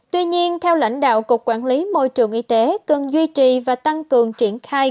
tuy nhiên theo lãnh đạo cục quản lý môi trường y tế cần duy trì và tăng cường triển khai